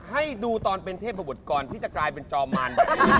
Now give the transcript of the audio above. ให้ดูตอนเป็นเทพบุตรกรที่จะกลายเป็นจอมมัน